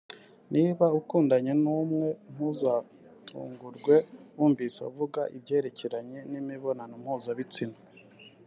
niba ukundanye n’umwe ntuzatungurwe wumvise avuga ibyerekeranye n’imibonano mpuzabitsina